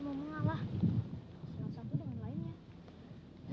salah satu dengan lainnya